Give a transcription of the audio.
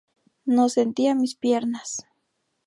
No sentía mis piernas.